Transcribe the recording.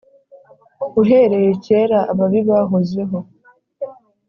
Uhereye kera ababi bahozeho